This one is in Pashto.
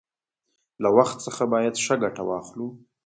له وخت څخه باید ښه گټه واخلو.